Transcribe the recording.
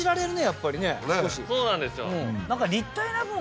そうなんですよ。